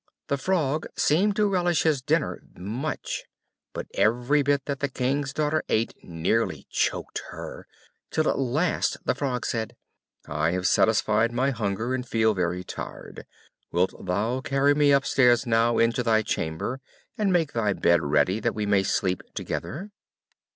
The Frog seemed to relish his dinner much, but every bit that the King's daughter ate nearly choked her, till at last the Frog said, "I have satisfied my hunger and feel very tired; wilt thou carry me upstairs now into thy chamber, and make thy bed ready that we may sleep together?"